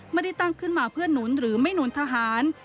ไม่ได้ตั้งขึ้นมาเพื่อนหนุนหรือไม่หนุนทหาร